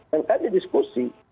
dan kan didiskusi